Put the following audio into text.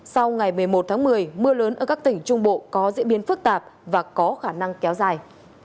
sau ngày một mươi một tháng một mươi mưa lớn ở các tỉnh trung bộ có diễn biến phức tạp và có khả năng kéo dài